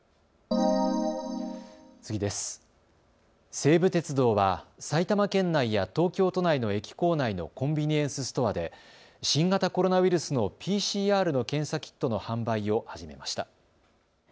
西武鉄道は埼玉県内や東京都内の駅構内のコンビニエンスストアで新型コロナウイルスのＰＣＲの検査キットの販売を始めました。